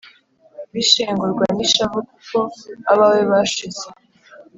Wishengurwa n'ishavu Kuko abawe bashize